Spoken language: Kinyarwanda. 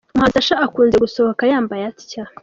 Umuhanzi Sacha akunze gusohoka yambaye atya.